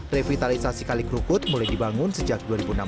revitalisasi kali kerukut mulai dibangun sejak dua ribu enam belas